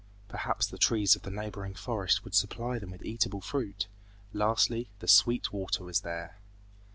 Perhaps the trees of the neighboring forest would supply them with eatable fruit. Lastly, the sweet water was there.